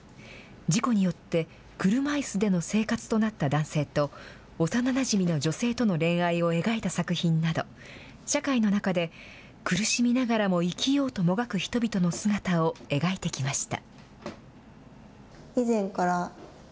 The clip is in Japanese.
事故によって、車いすでの生活となった男性と、幼なじみの女性との恋愛を描いた作品など、社会の中で苦しみながらも生きようともがく人々の姿を描いてきました。